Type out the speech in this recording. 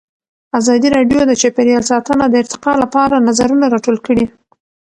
ازادي راډیو د چاپیریال ساتنه د ارتقا لپاره نظرونه راټول کړي.